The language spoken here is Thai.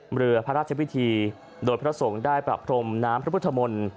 เรือพระราชพิธีโดยพระสงฆ์ได้ประพรมน้ำพระพุทธมนต์